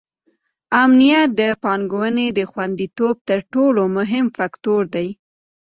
امنیت د پانګونې د خونديتوب تر ټولو مهم فکتور دی.